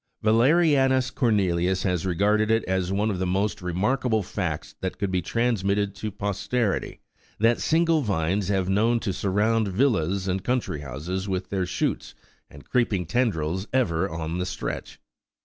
Yalerianus Cornelius has regarded it as one of the most re markable facts that could be transmitted to posterity, that single vines have been known to surround villas and country houses with their shoots and creeping tendrils ever on the stretch.